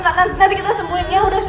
nanti kita sembuhin ya